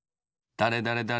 だれだれだれ